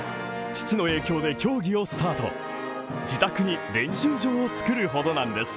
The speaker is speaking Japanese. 父の影響で競技をスタート、自宅に練習場を造るほどなんです。